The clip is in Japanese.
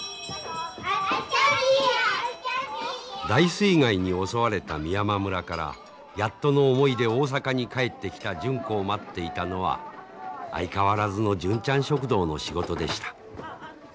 大水害に襲われた美山村からやっとの思いで大阪に帰ってきた純子を待っていたのは相変わらずの純ちゃん食堂の仕事でした。